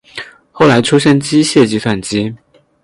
后来出现机械计算器。